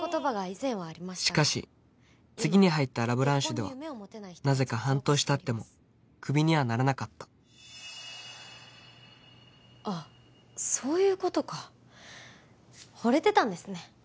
しかし次に入ったラ・ブランシュではなぜか半年たってもクビにはならなかったあっそういうことかホレてたんですね